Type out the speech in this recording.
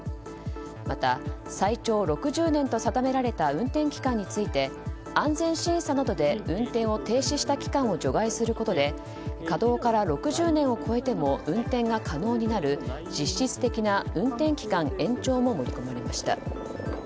また、最長６０年と定められた運転期間について安全審査などで運転を停止した期間を除外することで稼働から６０年を超えても運転が可能になる実質的な運転期間延長も盛り込まれました。